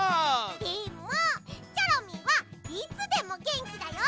でもチョロミーはいつでもげんきだよ。